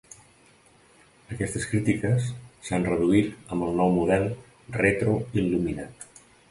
Aquestes crítiques s'han reduït amb el nou model retroil·luminat.